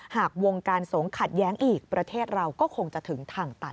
หากวงการสงฆ์ขัดแย้งอีกประเทศเราก็คงจะถึงทางตัน